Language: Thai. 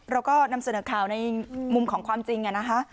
เราก็นำเสนอข่าวในมุมของความจริงนะคะ